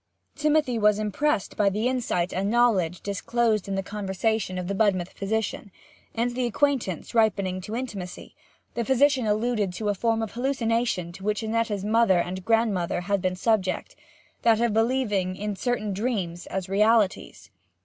Timothy was impressed by the insight and knowledge disclosed in the conversation of the Budmouth physician, and the acquaintance ripening to intimacy, the physician alluded to a form of hallucination to which Annetta's mother and grandmother had been subject that of believing in certain dreams as realities.